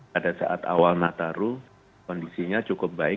pada saat awal nataru kondisinya cukup baik